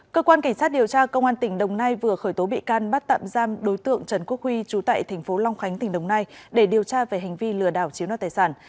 cơ quan cảnh sát điều tra công an tỉnh đồng nai vừa khởi tố bị can bắt tạm giam đối tượng trần quốc huy trú tại tp long khánh tỉnh đồng nai để điều tra về hành vi lừa đảo chiếu nọ tài sản